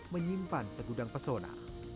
menyimpan segudang pesona